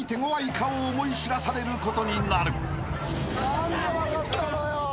何で分かったのよ！？